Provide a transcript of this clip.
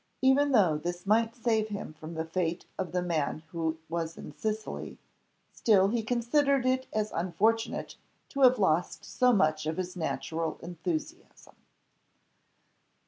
Even though this might save him from the fate of the man who was in Sicily, still he considered it as unfortunate to have lost so much of his natural enthusiasm.